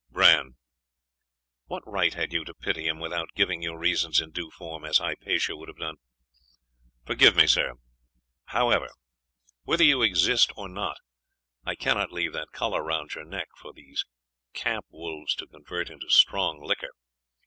Bran! What right had you to pity him without giving your reasons in due form, as Hypatia would have done? Forgive me, sir, however whether you exist or not, I cannot leave that collar round your neck for these camp wolves to convert into strong liquor.